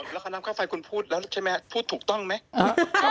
แล้วค่าน้ำค่าไฟคุณพูดแล้วใช่ไหมพูดถูกต้องไหม